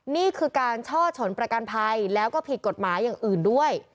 นี่คือการช่อฉนประกันภัยแล้วก็ผิดกฎหมายอย่างอื่นด้วย